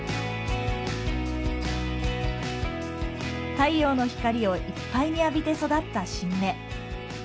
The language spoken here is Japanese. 太陽の光をいっぱいに浴びて育った新芽。